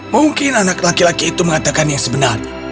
mungkin anak laki laki itu mengatakan yang sebenar